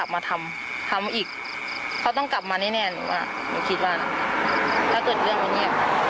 มองตั้งใจมากเลย